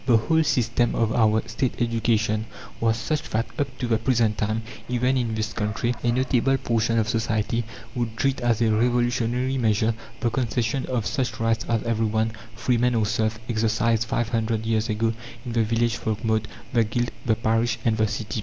The whole system of our State education was such that up to the present time, even in this country, a notable portion of society would treat as a revolutionary measure the concession of such rights as every one, freeman or serf, exercised five hundred years ago in the village folkmote, the guild, the parish, and the city.